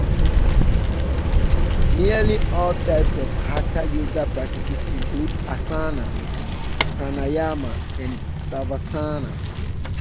Nearly all types of hatha yoga practices include asana, pranayama and savasana.